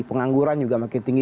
pengangguran juga makin tinggi